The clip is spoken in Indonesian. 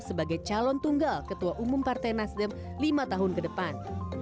sebagai calon tunggal ketua umum partai nasdem lima tahun ke depan